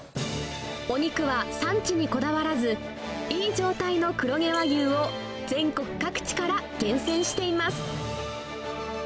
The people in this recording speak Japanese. お肉は産地にこだわらず、いい状態の黒毛和牛を全国各地から厳選しています。